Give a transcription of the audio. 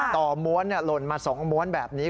ม้วนหล่นมา๒ม้วนแบบนี้